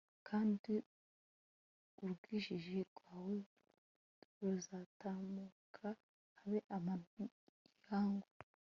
kandi urwijiji rwawe ruzatamuruka habe amanywa yihangu